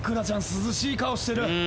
涼しい顔してる。